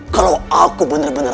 kalau aku benar benar